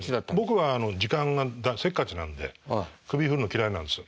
僕は時間がせっかちなんで首振るの嫌いなんですよ。